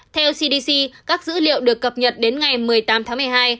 theo cdc các dữ liệu được cập nhật đến ngày một mươi tám tháng một mươi hai